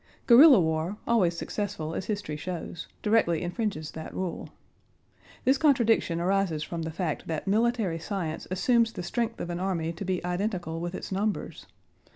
Guerrilla war (always successful, as history shows) directly infringes that rule. This contradiction arises from the fact that military science assumes the strength of an army to be identical with its numbers.